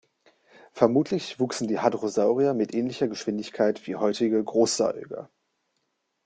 Vermutlich wuchsen die Hadrosaurier mit ähnlicher Geschwindigkeit wie heutige Großsäuger.